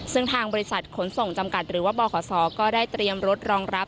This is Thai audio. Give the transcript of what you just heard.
ซึ่งทางบริษัทขนส่งจำกัดหรือว่าบขศก็ได้เตรียมรถรองรับ